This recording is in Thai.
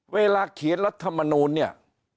เวลาเขียนรัฐมนูลเนี่ย